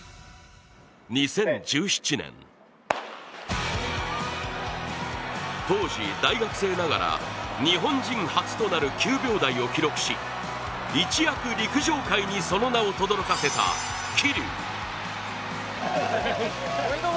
２０１７年、当時、大学生ながら日本人初となる９秒台を記録し一躍陸上界にその名をとどろかせた桐生。